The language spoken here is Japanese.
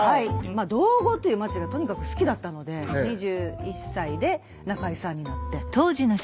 道後という街がとにかく好きだったので２１歳で仲居さんになって。